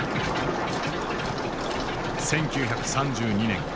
１９３２年。